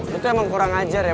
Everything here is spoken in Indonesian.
lo tuh emang kurang ajar ya